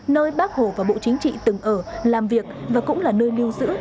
nơi bác hồ và bộ chính trị từng ở làm việc và cũng là nơi lưu giữ